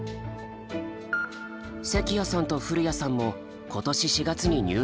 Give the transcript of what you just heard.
関谷さんと古谷さんも今年４月に入部したばかり。